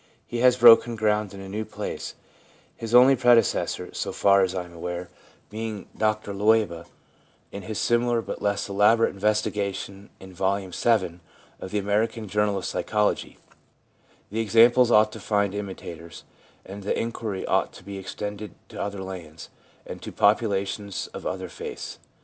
He has broken ground in a new place, his only predecessor (so far as I am aware) being Dr Leuba, in his similar but less elaborate investigation in Volume VII. of the American Journal of Psychology, The examples ought to find imitators, and the inquiry ought to be extended to other lands, and to populations of other faiths.